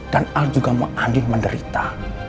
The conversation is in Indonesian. dan al juga mengandil menderita